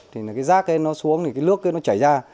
thì cái rác nó xuống cái nước nó chảy ra